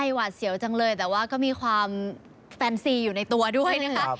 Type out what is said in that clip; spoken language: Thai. หวาดเสียวจังเลยแต่ว่าก็มีความแฟนซีอยู่ในตัวด้วยนะคะ